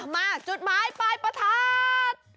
มาจุดหมายปลายประทัด